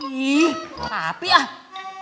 ih papi ah